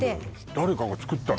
誰かが作ったの？